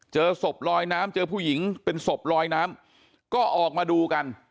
เจอศพลอยน้ำเจอผู้หญิงเป็นศพลอยน้ำก็ออกมาดูกัน